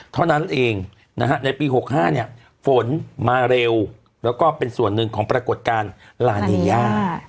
เท่านั้นเองในปี๖๕ฝนมาเร็วแล้วก็เป็นส่วนหนึ่งของปรากฏการณ์ลานีย่า